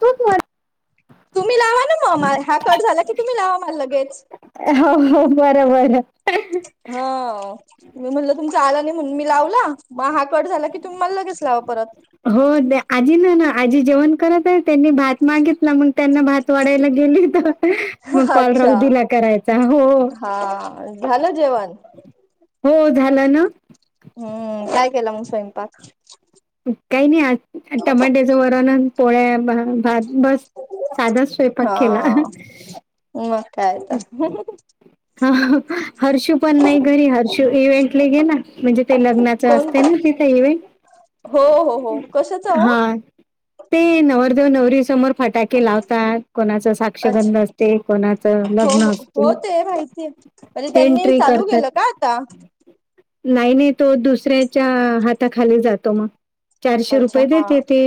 तू? तुम्ही लावा ना मग हा कट झाला की तुम्ही लावा मला लगेच हो हो बर बरं. हा. ी म्हणलं तुमचा आला नाही म्हणून मी लावला मग हा कट झाला की तुम्हीला लगेच लावा परत हो आजी ना ना आजी जेवण करत आहे त्यांनी भात मागित ना मग त्यांना भात वाढायला गेली तर मग कॉलराऊ दिला करायचा हो. हां. झालं जेवण हो झालं ना. हम्म काय केलं मग स्वयंपाक. काही नाही आ टमाट्याचं वरण पोळ्या बस साधा स्वयंपाक केला. म म कायता. हा हर्षू पण नाही घरी हर्षू इव्हेंटले गेला ना म्हणजे ते लग्नात. जास्त कोणत ना तीत इव्हेंट हो हो हो कशाचा हो. हा ते नवरदेव नवरी समोर फटाके लावतात कोणाच अच्छा साक्षगंध असते कोणा हो लग्न हो असत हो ते माहितीय म्हणजे त्यांनी एंट्री चालू करतात. केलं का आता नाही नाही तो दुसऱ्याच्या हाताखाली जातो मग चारशे अच्छा रुपये हा देते ते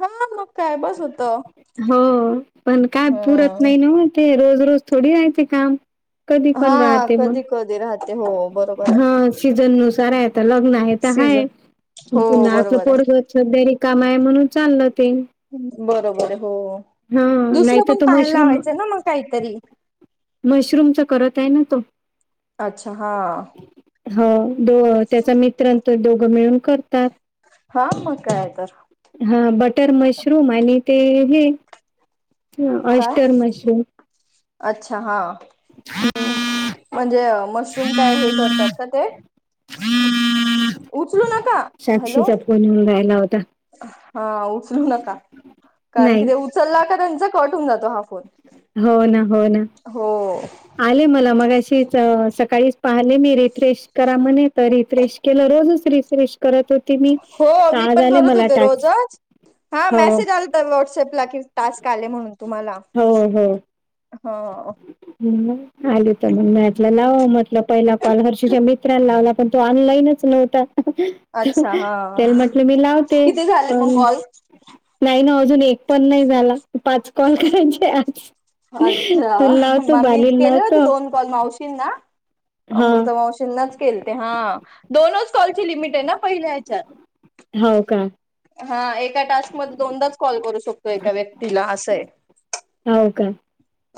हा मग काय बस होत हो पण का पुरत हम्म नाही ना. ते रोज रोज थोडी यायचे काम कधी हा पण राहते मग कधी कधी राहते हो बरोबर. सीजन नुसार आहे आता लग्न आहे तर सीझन हाय हो पुन्हा आपलं बरोबर आहे पोडग सदरी कामा आहे म्हणून चाललं ते बरोबर हो हा नाही दुसरं तर पण तो पाहायला लावायचं ना मग काहीतरी मशरूमचा करत आहे ना तो अच्छा हां. हो दो त्याचा मित्रांत दोघं मिळून करतात. हा मग काय तर हा बटर मशरूम आणि ते हे काय ऑस्टर मशरूम अच्छा हा. हम्. म्हणजे मशरूम काय हे करतात का ते उचलू नका हॅलो. साक्षीचा फोन येऊन राहिला होता हा उचलू नका कारण कि नाही ते उचलला का त्यांचा कट होऊन जातो हा फोन हो ना हो ना. हो आले मला मग अशीच सकाळीच पाहिले मी रिफ्रेश करा म्हणे तर रिफ्रेश केला रोज श्री श्री. त होती मी, हो तर मी आज पण आले करत मला होते टास्क रोजच हा हो. मेसेज आलता व्हॉट्सअपला कि टास्क आले म्हणून तुम्हाला. हो हो. हो. हम्म. आली तर म्हणटलं लाव म्हटलं पहिला कॉल हर्षीच्या मित्रां लावला पण तो ऑनलाईनच नव्हता. अच्छा हा तेल म्हटले मी लावते किती झाले मग पण कॉल नाही ना अजून एक पण नाही झाला पाच कॉल करायचे आज तुला लावतो हा मीच बालीला केल ते लावतो दोन कॉल मावशींना हा अमृता मावशीनाच केलते. हा दोनच कॉल ची लिमिट आहे ना पहिल्या हेच्यात हो का. हा एका टास्कमध्ये दोनदाच कॉल करू शकतोय. एका व्यक्तीला असं. आहे हो काय.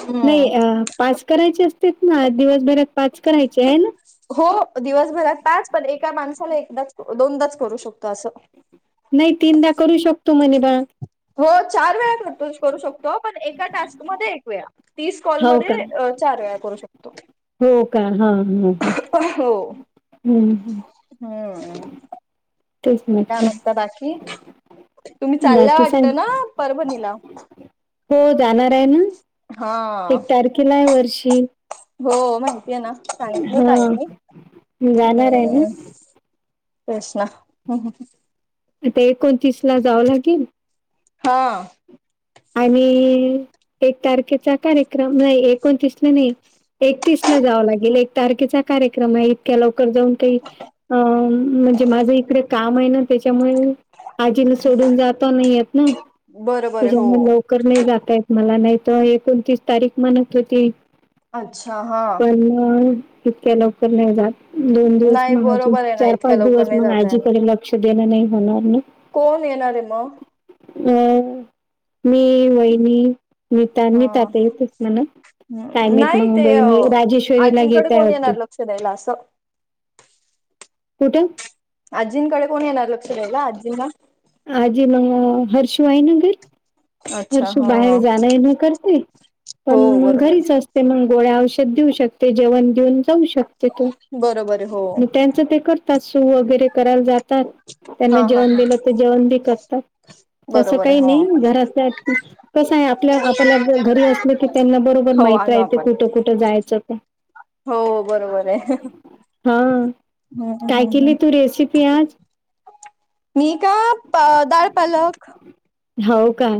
हम्म नाही अह. पाच करायचे असतेत ना दिवसभरात पाच करायचे आहे ना. हो. दिवसभरात पाच, पण एका माणसाला एकदाच- दोनदाच करू शकतो असं. नाही. तीनदा करू शकतो म्हणे बा. हो, चार वेळा करतो-करू शकतो. पण एका टास्कमध्ये एक वेळा तीस हो का? कॉलमध्ये चार वेळा करू शकतो. हो का हा हा हहम् हो ह. हम्म काय म्हणता बाकी, तुम्ही चालल्या बाकी वाटत सांग. ना परभणीला. हो जाणार आहे ना. हा एक तारखेला आहे वर्षी. हो माहितीय ना. सांगितलं होत आई हां, नी. जाणार आहे ना. आत तेच ना हाहम. आता एकोणतीस ला जावं लागेल. हां. आणि एक तारखेचा कार्यक्रम नाही. एकोणतीसला नाही. एकतीस ला जावं लागेल. एक तारखेचा कार्यक्रम आहे इतक्या लवकर जाऊन काही अ. म्हणजे माझं इकडे काम आहे ना त्याच्यामुळे आजीला सोडून जाता नाहीे येत ना. बर. तेवढ्या लवकर नाही जाता येत मला, नाही तेव्हा एकोणतीस तारीख म्हणत होते. अच्छा हा पण इतक्या लवकर नाही जात. दोन दिवस नाही म्हणालती. बरोबर आहे ना चार इतक्या पाच लवकर दिवस नाही मग जाता येणार आजीकडे लक्ष देणं नाही होणार नाही. कोण येणार आहे मग? अ. मी, वहिनी, नीता नीता हा ताई येतस म्हणा. काय माहित नाही मला ते वाहिनी राजेश्वरी ला घेतायत वाटते. सगळं आस. कुठ? आजींकडे कोण येणार. लक्ष दयायला आजींना. आजी मग हर्षु आहे ना घरी. अच्छा हर्षु हा बाहेर जाणं येन करते. हो पण बरोबर घरीच असते. ते मग गोळ्या औषध देऊ शकते. जेवण देऊन जाऊ शकते तो. आहे बरोबर आहे हो तेनच ते करतात सू वगैरे करायला जात. तर हा त्यांना हा जेवण हा दिलं ते जेवण बी करतात. तस बरोबर आहे काही हो नाही घरात. कसं आहे. आपल्या आपल्याला घरी असलं की त्यांना बरोबर हो आणू माहितेय ते आपण कुठ कुठ कुठं जायचं ते. हो बरोबर आहे. हा हम् काय केली हम्. तू रेसिपी आज मी का.. प दाल पालक. हो का.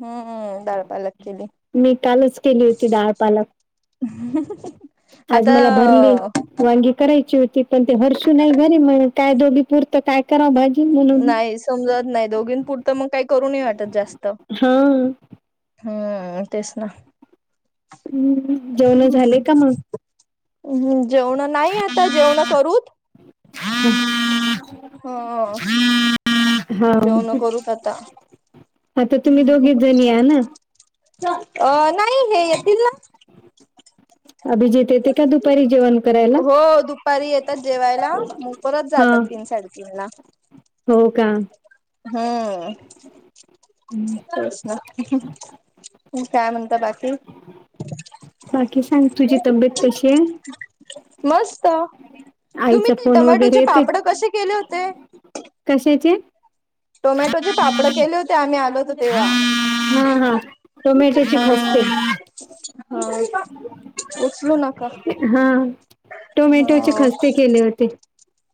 हम्म हम्म. डाळ पालक केली मि कालच केली होती डाळ पालक. ह [unintelligible] आज मला भरले वांगी करायची होती. पण ते हरषू नाही घरी म्हणून काय दोघी पूर्त काय कराव मग, नाही समजत नाही दोघीं पुरतं मग काही करूनही वाटत जास्त. हा हम्म तेच ना. जेवण झाले का मग हम्म जेवण नाही आता जेवण करूत. [inaudible] ह अ हा हू आता आता तुम्ही दोघीच जणी या ना च अ नाही हे येतील ना अभिजित येते का दुपारी जेवण कराय? हो दुपारी येतात जेवायला, मग परत हा जातात तीन साडेतीन ला हो का? ह हम्म. तेच ना उ काय म्हणता बाकी? बाकी सांग तुझी तब्येत कशी [unintelligible] आहे मस्त, तुम्ही आईचा ते फोन वगैरे टोमॅटोचे येते पापडं कसे केले होते? कशाचे? टोमॅटोचे पापडं केले होते, आम्ही आलो होतो तेव्हा हा हा. टोमॅटोचे हा, खस्ते हा उचलू नका. हा टोमॅटोचे हा खस्ते केले होते.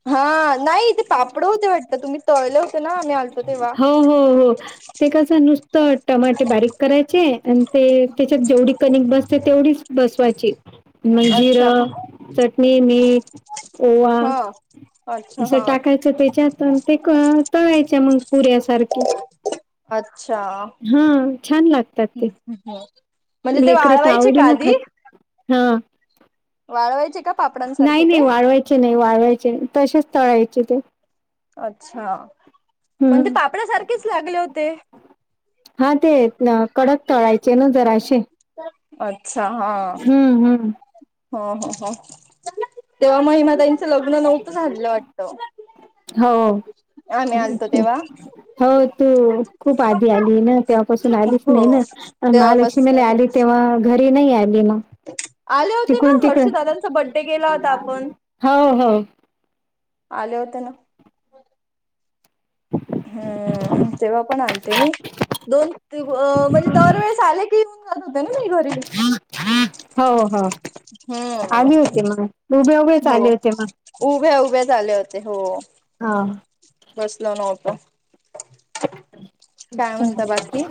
हा नाही ते पापडं होते वाटत, तुम्ही तळले होते ना आम्ही आलतो तेव्हा हॊ हॊ हॊ ते कसं नुसतं टमाटे बारीक करायचे. आणि ते त्याच्यात जेवढी कनिक बसते तेवढीच बसवायची. नई जीर, अच्छा ह चटणी, मीठ, ओवा हा अच्छा असं हा टाकायचं त्याच्यात अन ते क तळायचे मंग पुऱ्यासारखे अच्छा हा छान लागतात ते [unintelligible] हो लेकर त आवडीनं खात हा वाळवायचे का पापडांसारखे नाही नाही ते वाळवाय चे नाई वाळवायचे तसेच तळायचे ते अच्छा! पण ते हं. पापडा सारखेच लागले होते. हा ते न कडक तळायचे ना जरासे अच्छा! हा हं. हा हा हा तेव्हा महिमाताईचं लग्न नव्हतं झालेल वाटतं. हो आम्ही आलतो तेव्हा [unintelligible] हो तू खूप आधी आली ना, तेव्हापासून आलीच हो नाही ना अ महालक्ष्मीला तेव्हापासून आली तेव्हा घरी नाही आली ना आले होते ना हर्षुदादांचा बड्डे केला होता आपण हो हो आले होते ना हम्म तेव्हा पण आलते [unintelligible] दोन दिव म्हणजे दरवेळेस आले की युन करत होतो ना निरोप ह ह हो. आली होती मंग, उभे उभेच आले होती मग उभ्या उभ्याचं आले होते हो हा. बसला नवतो, काय म्हणता बाकी?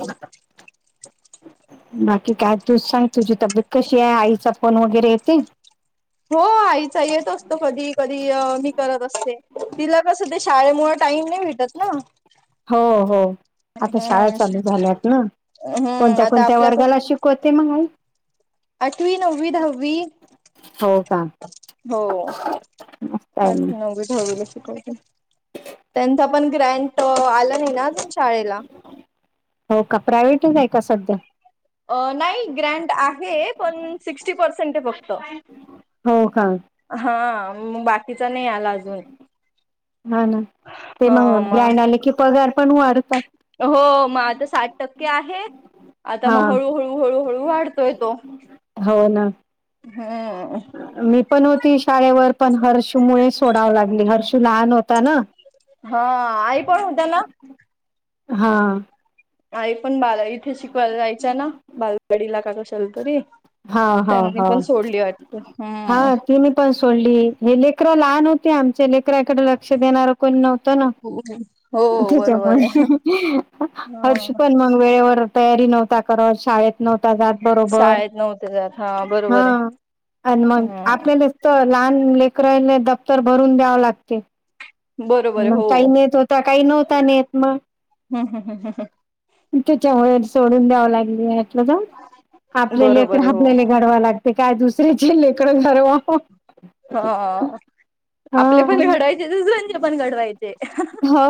बाकी काय तू सांग, तुझी तब्येत कशी आहे? आईचा फोन वगैरे येते. हो आईचा येत असतो, कधी कधी अ मी करत असते तिला कसं ते शाळेमुळ टाईम नाही भे टत ना हो हो आता शाळा हम्म चालू झाल्यात ना, हम्म कोणत्या आता कोणत्या आपल्याक वर्गाला शिक? कवते मंग आई आठवी, नव्वी, दहावी हो का हो मस्त आहे मग. आठवी, नव्वी, दहावी शिकवते. त्यांचा पण ग्रँट आला नाही ना अजून शाळेला हो का, प्रायव्हेटचं आहे का सध्या? अ नाही ग्रँट आहे, पण सिक्स्टी पर्सेंट आहे फक्त. हो का? हा म बाकीचा नाही, आला अजून हा ना ते मग ग्रँड आले की पगार पण वाढतात. हो मग आता साठ टक्के आह, आता हा मग हळूहळू हळूहळू वाढतोय तो. हो ना हम्म. मी पण होती, शाळेवर पण हर्षू मुड सोडाव लागली, हर्षू लहान होता ना. हा आई पण होता ना. हा आई पण बाल वाड़ी इथे शिकवायला, जायचं ना बालवाडीला का कसल तरी. त्यांनी पण सोडली वाट. हा तीनी पण सोडली हे लेकरं लहान होते, आमच्या लेकराकडे. लक्ष देणारं, कोण नव्हतं ना. हो बरोबर आहे. त्याच्यामुळे हर्ष हा. पण म वेळेवर तयारी, नव्हता कर शाळेत. नव्हता जात बरोबर शाळेत नव्हते जात हा. बरोबर आहे. आणि मग हम्म आपल्याला तर लहान लेकरराने, दफ्तर भरून द्यावं लागते. बरोबर आहे मग हो. काही नेत होता, काही नव्हता नेत मग हम्म हम्म त्याच्यामुळे सोडून द्याव लागलीलं, जा हम्म आपल्या लेकर बरोबर आहे हो. आपल्या. घडवा लागते काय दुसरे, चे लेकर घडून घरवा. हा आपले पण घडवायचे, दुसऱ्याचे पण घडवायचे. हो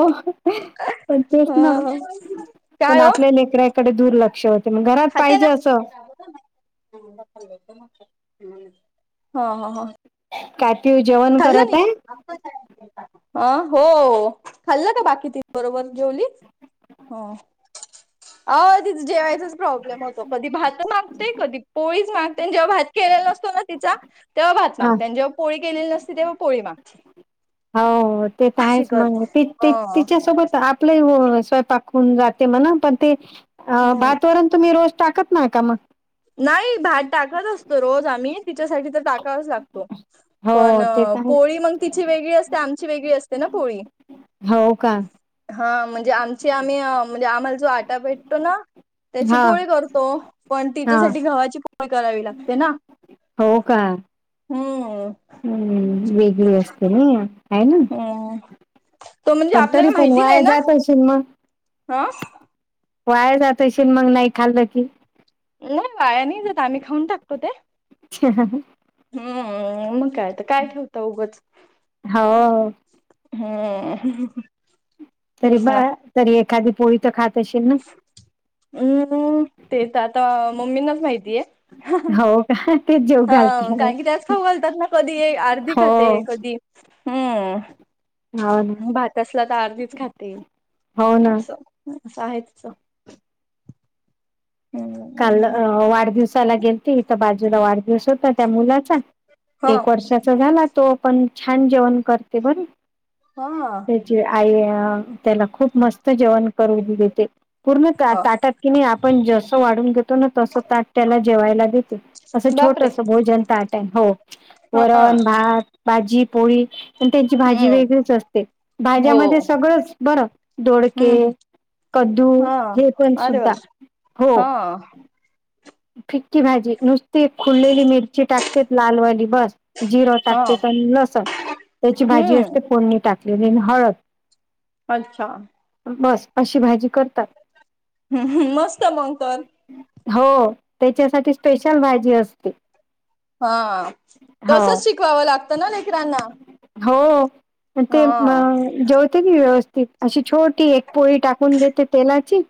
पण ह तेच ना. काय पण हो आपल्या लेकरा्याकडे दुर्लक्ष होते मग घरात, पाहिजे असं हा हा हा कातीव जेवण करत आहे. आप का अ हो खाल्लं का बाकी, ती बरोबर जेवली हो. अ जेवायचाच प्रॉब्लेम होतो, कधी भात मागते कधी पोळीच मागते. जेव्हा भात केलेला असतो ना तिचा. तेव्हा भात माग हा त्यांनी जेव्हा पोळी ग केलेली असते तेव्हा पोळी मागची. हो ते तर आहेच मग करते. ह तिच्यासोबत. आप स्वयंपाक हुन जाते, म्ह पण ते हो भात. तुम्ही रोज टाकत नाही का मग. नाही भात टाकत असतो रोज आम्ही तिच्यासाठी तर टाकाच लागतो. हो पण ते तर आहे पोळी मग तिची वेगळी असते, आमची वेगळी असते ना पोळी हो का? हा म्हणजे, आमची आम्ही म्हणजे आम्हाला, जो आटा भेटतो ना त्याची हा पोळी, करतो पण ती. हा गव्हाची पोळी करावी, लागते ना हो का हम्म हम्म वेगळी, असते ना आहे. ना अ तो म्हणजे, पण आपल्याला तरी पण माहिती नाही वाया ना जात असेल मग हा. वाया जातशील, मग नाही खाल्लं की. नाही वाया नाही, जात आम्ही खाऊन टाकतो ते. ह ह ह हम्म मग काय, तर काय ठेवत उगंच. हो हम् तरी ब तरी एखादी, पोळी तर खात अशीन. हम्म तेच आता, मम्मींनाच माहितीय. ह हा कारण की त्याच खऊ घालतात ना कधी आर्धी हो खाते कधी, हम्म. हो ना भात असला तर अर्धीच खाते, हो ना असं अस आहे तीच. काल हम्म अ वाढदिवसाला गेलती तर बाजूला वाढदिवस होता त्या मुलाचा. हा एक वर्षाचा झाला तो पण छान जेवण करते बर. हा. तिची आई त्याला खूप मस्त जेवण करून देते, पूर्ण ह ताटात कि नाही आपण जसं वाढून घेतो ना तस ताट त्याला जेवायला दे ते, असं बापरे छोटस भोजन ताटये हो, हा वरण, भात भाजी, पोळी, पण त्यांची भाजी हम्म वेगळीच अस ते, हो भाज्यामध्ये सगळंच बरं दोडके. हम्म कदू, हा हे पण अरे वा सुद्धा, हो. हा फिक्की भाजी नुसती खुललेली मिरची टाकते लालवाली बस. जिरं हा टाकत्यात अन लसण, त्याची भाजी हम्म असते फोडणी टाक [unintelligible] हळद. अच्छा! बस अशी भाजी करतात. हम्म हम मस्त मगं तर. हो, त्याच्यासाठी स्पेशल भाजी असते. हा, हो तसच शिकवावं लागतं ना लेकरांना. हो, हा ते मग जो तेबी व्यवस्थित अशी छोटी एक पोळी टाकून देते तेलाची,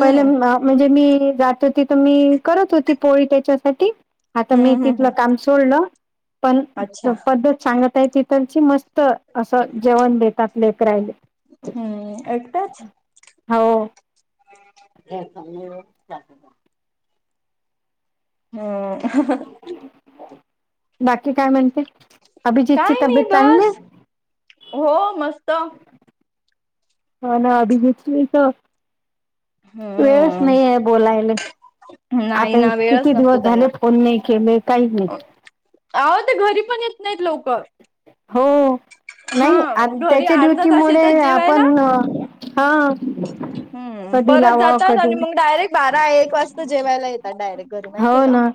पहिले मा म्हणजे मी जात होती तर मी करत होती पोळी त्याच्यासाठी. आता हम्म मी हम्म तिथलं हम्म काम सोडलं, पण, अच्छा पद्धत सांग ताई तिथची मस्त असं जेवण देतात लेकरायले. हम्म एकटाच. हो. [unintelligible] हम्म. बाकी काय म्हणते, अभिजितची काय तब्येत नाही चांगली बस आहे. हो मस्त. हो ना अभिजीतशी तर, वेळच हम्म नाही आहे बोलायला. नाही आता ना वेळच किती नसतो दिवस झाले त्यांना फोन नाही केले काही नाही. अहो ते घरी पण येत नाहीत लवकर. हो हा नाही घरी अर्धा तास येतात जेवायला. ह हा. हम्म कधी परत लावा जातात कधी आणि मग डायरेक्ट बारा एक वाजता जेवायला येतात डायरेक्ट घरी माहितीे हो हाय का. ना